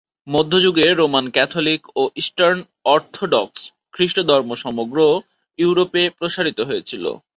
মধ্যযুগে Roman Catholic ও Eastern Orthodox খ্রিস্টধর্ম সমগ্র ইউরোপে প্রসারিত হয়েছিল।